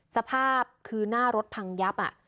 สภาพคือหน้ารถพังยับ